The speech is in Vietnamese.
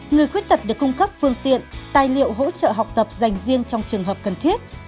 người khuyết tật được cung cấp phương tiện tài liệu hỗ trợ học tập dành riêng trong trường hợp cần thiết